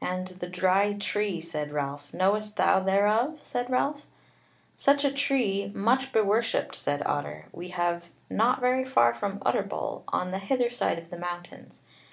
"And the Dry Tree," said Ralph, "knowest thou thereof?" said Ralph. "Such a tree, much beworshipped," said Otter, "we have, not very far from Utterbol, on the hither side of the mountains.